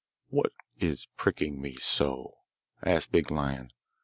'What is pricking me so?' asked Big Lion.